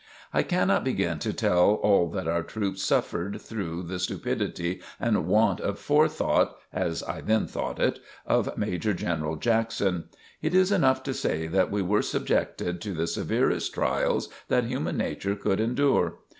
I cannot begin to tell all that our troops suffered through the stupidity and want of forethought, (as I then thought it), of Major General Jackson. It is enough to say that we were subjected to the severest trials that human nature could endure.